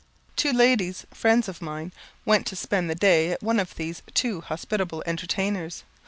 Two ladies, friends of mine, went to spend the day at one of these too hospitable entertainers.